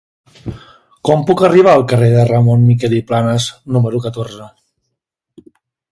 Com puc arribar al carrer de Ramon Miquel i Planas número catorze?